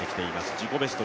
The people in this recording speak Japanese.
自己ベスト